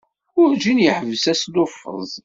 Werǧin yeḥbes asluffeẓ.